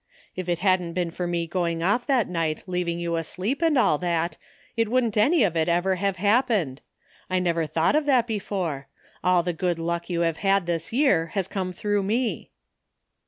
If it hadn't been for me going off that night leaving you asleep, and all that, it wouldn't any of it ever have happened, I never thought of that 372: AT LAST. before. AH the good luck yoir have had this year has come through me."